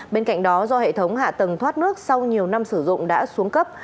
bên cạnh đó do hệ thống hạ tầng thoát nước sau nhiều năm sử dụng đã xuống cấp